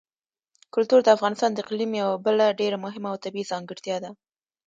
کلتور د افغانستان د اقلیم یوه بله ډېره مهمه او طبیعي ځانګړتیا ده.